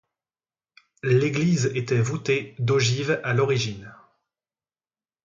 L'église était voûtée d'ogives à l'origine.